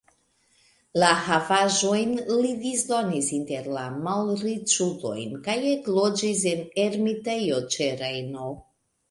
La havaĵojn li disdonis inter la malriĉulojn kaj ekloĝis en ermitejo ĉe Rejno.